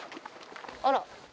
あら。